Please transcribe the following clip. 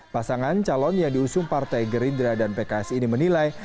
pasangan calon yang diusung partai gerindra dan pks ini menilai